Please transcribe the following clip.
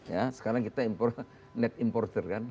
ya sekarang kita impor net importer kan